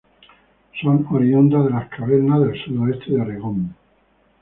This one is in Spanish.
Son oriundas de las cavernas del sudoeste de Oregón.